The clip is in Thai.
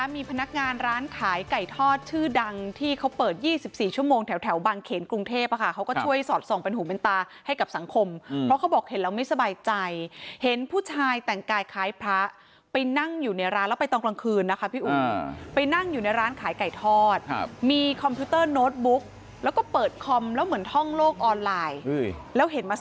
มีพนักงานร้านขายไก่ทอดชื่อดังที่เขาเปิด๒๔ชั่วโมงแถวบางเขนกรุงเทพเขาก็ช่วยสอดส่องเป็นหูเป็นตาให้กับสังคมเพราะเขาบอกเห็นแล้วไม่สบายใจเห็นผู้ชายแต่งกายคล้ายพระไปนั่งอยู่ในร้านแล้วไปตอนกลางคืนนะคะพี่อุ๋ยไปนั่งอยู่ในร้านขายไก่ทอดมีคอมพิวเตอร์โน้ตบุ๊กแล้วก็เปิดคอมแล้วเหมือนท่องโลกออนไลน์แล้วเห็นมาส